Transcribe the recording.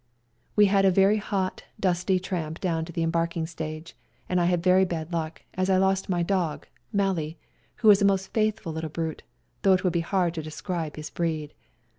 We had a very hot, dusty tramp dow^n to the embarking stage, and I had very bad luck, as I lost my dog " Mah," who was a most faithful little brute, though it would be hard to describe his breed.